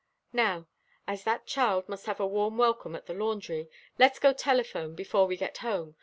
Now, as that child must have a warm welcome at the laundry, let's go telephone before we get home.